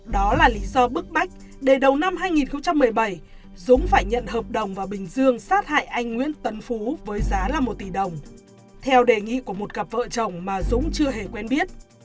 đó là lý do bức bách để đầu năm hai nghìn một mươi bảy dũng phải nhận hợp đồng vào bình dương sát hại anh nguyễn tấn phú với giá là một tỷ đồng theo đề nghị của một cặp vợ chồng mà dũng chưa hề quen biết